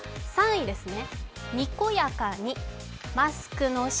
２位ですね。